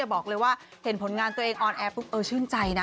บอกเลยว่าเห็นผลงานตัวเองออนแอร์ปุ๊บเออชื่นใจนะ